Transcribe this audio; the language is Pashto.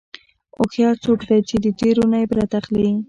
هوښیار څوک دی چې د تېرو نه عبرت اخلي.